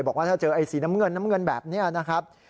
บอกว่าถ้าเจอไอ้สีน้ำเงินน้ำเงินแบบนี้นะครับ